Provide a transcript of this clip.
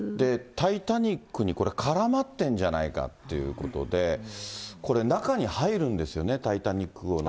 タイタニックに、これ、絡まってるんじゃないかということで、これ中に入るんですよね、タイタニック号の。